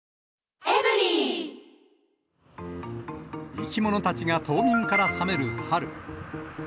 生き物たちが冬眠から覚める春。